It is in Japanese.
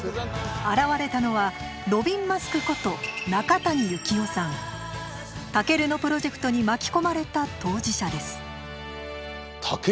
現れたのはロビンマスクことＴＡＫＥＲＵのプロジェクトに巻き込まれた当事者です。